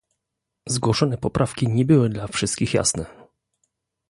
Zgłoszone poprawki nie były dla wszystkich jasne